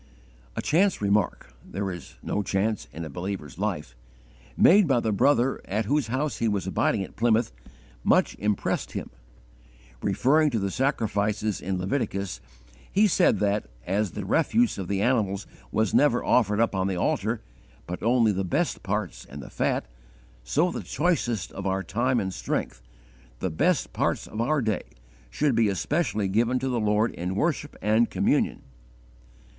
A 'chance remark' there is no chance in a believer's life! made by the brother at whose house he was abiding at Plymouth, much impressed him. Referring to the sacrifices in Leviticus, he said that, as the refuse of the animals was never offered up on the altar, but only the best parts and the fat, so the choicest of our time and strength, the best parts of our day, should be especially given to the Lord in worship and communion.